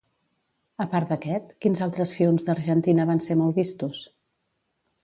A part d'aquest, quins altres films d'Argentina van ser molt vistos?